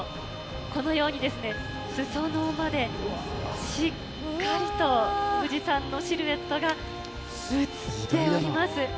このようにすそ野までしっかりと富士山のシルエットが映っております。